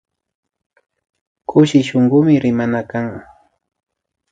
Kushi shunkumi rimana kan